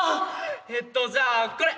えっとじゃあこれ！